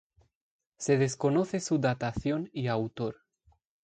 Se desconoce su datación y autor.